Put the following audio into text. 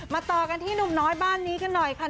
ต่อกันที่หนุ่มน้อยบ้านนี้กันหน่อยค่ะ